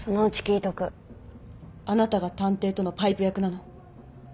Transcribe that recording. あなたが探偵とのパイプ役なの？